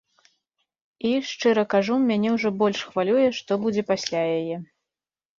І, шчыра кажу, мяне ўжо больш хвалюе, што будзе пасля яе.